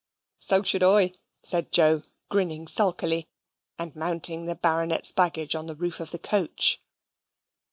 "So should oi," said Joe, grinning sulkily, and mounting the Baronet's baggage on the roof of the coach.